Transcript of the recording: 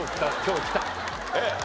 ええ。